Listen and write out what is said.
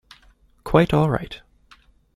Quite all right.